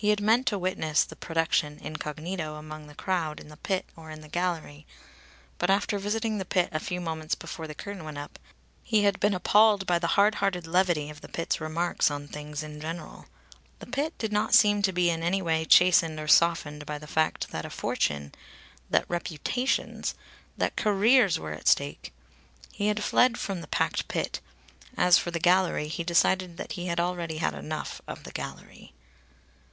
He had meant to witness the production incognito among the crowd in the pit or in the gallery. But, after visiting the pit a few moments before the curtain went up, he had been appalled by the hard hearted levity of the pit's remarks on things in general. The pit did not seem to be in any way chastened or softened by the fact that a fortune, that reputations, that careers were at stake. He had fled from the packed pit. (As for the gallery, he decided that he had already had enough of the gallery.)